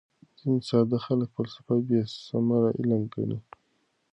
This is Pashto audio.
ځیني ساده خلک فلسفه بېثمره علم ګڼي.